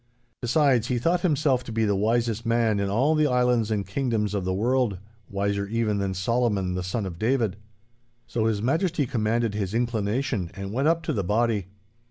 Besides, he thought himself to be the wisest man in all the islands and kingdoms of the world—wiser, even, than Solomon the son of David. So His Majesty commanded his inclination, and went up to the body.